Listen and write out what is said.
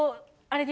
あれ。